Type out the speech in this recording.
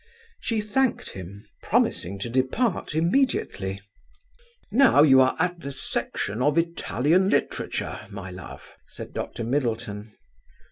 She thanked him, promising to depart immediately. "Now you are at the section of Italian literature, my love," said Dr Middleton.